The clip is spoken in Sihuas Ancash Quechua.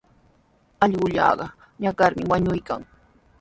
Allquqa ñakarmi wañuykan.